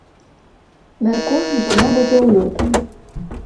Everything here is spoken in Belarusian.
Мяркую, яна будзе ў лютым.